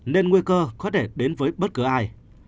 nên nguy cơ có thể đến với bất cứ ai